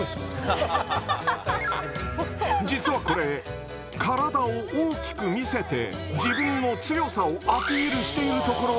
実はこれ体を大きく見せて自分の強さをアピールしているところ。